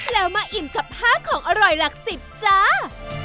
แล้วมาอิ่มกับ๕ของอร่อยหลัก๑๐จ้า